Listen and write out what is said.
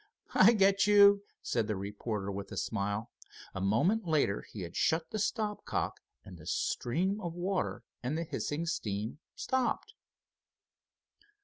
"I get you," said the reporter with a smile. A moment later he had shut the stop cock and the stream of water and the hissing steam stopped.